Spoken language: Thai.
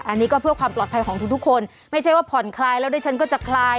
อันนี้ก็เพื่อความปลอดภัยของทุกคนไม่ใช่ว่าผ่อนคลายแล้วดิฉันก็จะคลาย